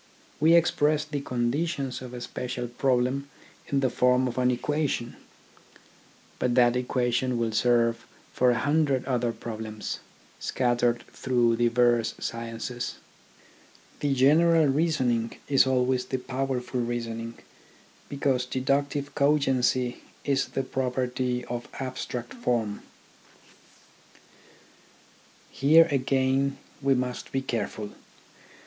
We express the conditions of a special problem in the form of an equation, but that equation will serve for a hundred other problems, scattered through diverse sciences. The general reasoning is always the powerful reasoning, because deduc tive cogency is the property. of abstract form. TECHNICAL EDUCATION 47 Here, again, we must be careful.